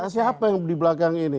siapa yang di belakang ini